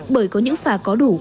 bởi có những phà có đủ